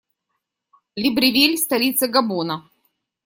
Либревиль - столица Габона.